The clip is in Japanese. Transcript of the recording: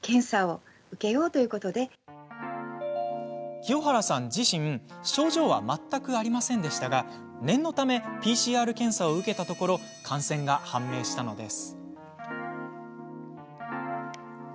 清原さん自身症状は全くありませんでしたが念のためＰＣＲ検査を受けたところ感染が判明したのです。